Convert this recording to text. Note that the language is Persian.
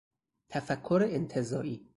تفکر انتزاعی